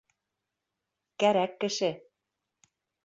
Кәрәк кеше.